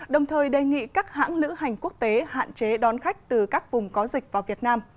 đồng thời đề nghị các hãng lữ hành quốc tế hạn chế đón khách từ các vùng có dịch vào việt nam